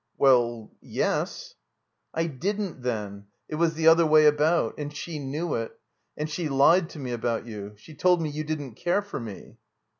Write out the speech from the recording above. "Well— yes." "I didn't then. It was the other way about. And she knew it. And she lied to me about you. She told me you didn't care for me."